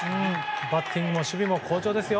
バッティングも守備も好調ですよ。